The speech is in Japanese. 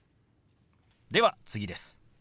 では次です。